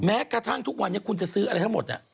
แม้กระทั่งทุกวันนี้คุณจะซื้ออะไรทั้งหมด